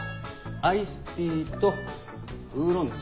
アイスティーとウーロン茶。